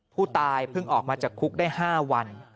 ผู้ตายเพิ่งออกมาจากคุกได้๕วัน